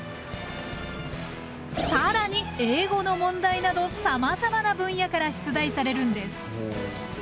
更に英語の問題などさまざまな分野から出題されるんです。